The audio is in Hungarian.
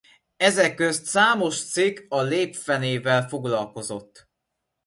Ezek közt számos cikk a lépfenével foglalkozott.